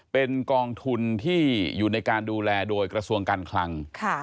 เป็นกองทุนที่อยู่ในการดูแลโดยกระทรวงการคลัง